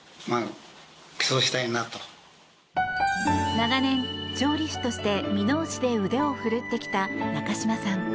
長年、調理師として箕面市で腕を振るってきた中嶋さん。